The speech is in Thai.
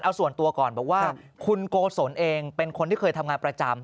เอาส่วนตัวก่อนบอกว่าคุณโกศลเองเป็นคนที่เคยทำงานประจำ